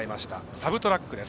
サブトラックです。